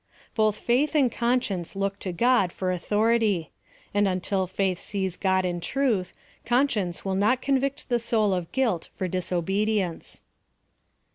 Both faith and conscience look to God for au* thority ; and until faith sees God in Truth, Con science will not convict the soul of guilt for dis obedience.